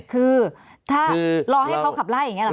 คือรอให้เขาขับไล่อย่างนี้หรือเปล่าอาจารย์